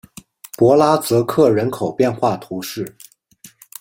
博拉泽克人口变化图示